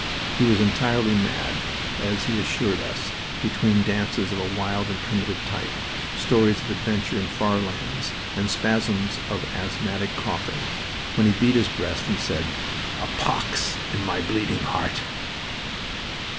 He was entirely mad, as he assured us, between dances of a wild and primitive type, stories of adventure in far lands, and spasms of asthmatic coughing, when he beat his breast and said, "A pox in my bleeding heart!"